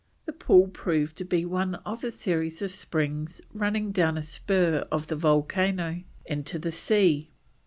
The pool proved to be one of a series of springs running down a spur of the volcano into the sea.